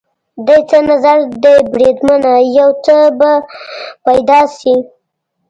دې څه نظر دی بریدمنه؟ یو څه به پیدا شي.